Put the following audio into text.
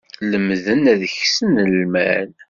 Lemden ad ksen lmal.